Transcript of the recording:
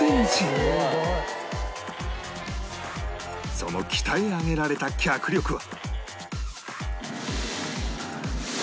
その鍛え上げられた脚力は